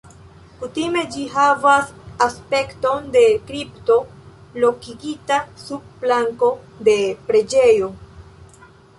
Kutime ĝi havas aspekton de kripto lokigita sub planko de preĝejo.